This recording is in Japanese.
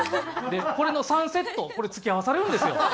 これの３セットをこれ付き合わされるんですよ。